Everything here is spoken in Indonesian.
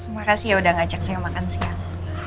makasih ya udah ngajak saya makan siang